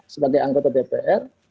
sebagai anggota dpr